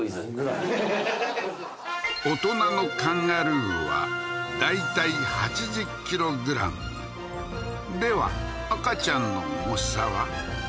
ははははっ大人のカンガルーは大体８０ｋｇでは赤ちゃんの重さは？